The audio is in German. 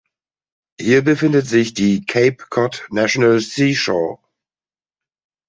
Hier befindet sich die Cape Cod National Seashore.